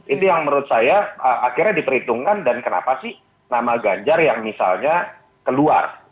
itu yang menurut saya akhirnya diperhitungkan dan kenapa sih nama ganjar yang misalnya keluar